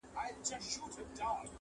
سل زنځیره مي شلولي دي ازاد یم-